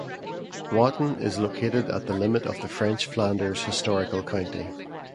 Watten is located at the limit of the French Flanders historical county.